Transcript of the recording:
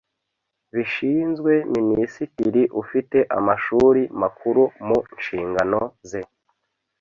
Bishinzwe Minisitiri ufite Amashuri Makuru mu nshingano ze